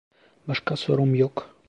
Başka sorum yok.